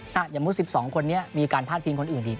ถ้าสมมุติ๑๒คนนี้มีการพาดพิงคนอื่นอีก